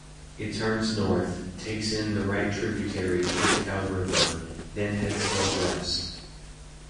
It turns north, takes in the right tributary Pitticow River, then heads northwest.